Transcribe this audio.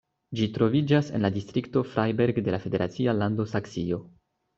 Ĝi troviĝas en la distrikto Freiberg de la federacia lando Saksio.